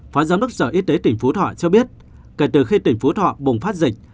phó giám đốc sở y tế tỉnh phú thọ cho biết kể từ khi tỉnh phú thọ bùng phát dịch